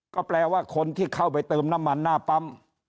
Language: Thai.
ก็แปลว่าคนที่เข้าไปเติมน้ำมันหน้าปั๊ม